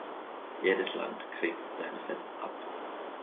Jedes Land kriegt sein Fett ab.